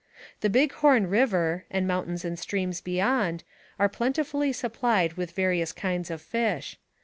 The Big Horn River, and mountains and streams beyond, are plentifully supplied with various kinds of fish.